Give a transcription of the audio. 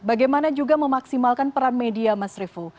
bagaimana juga memaksimalkan peran media mas revo